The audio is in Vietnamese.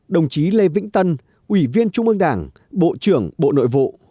đồng chí lê vĩnh tân ủy viên trung ương đảng bộ trưởng bộ nội vụ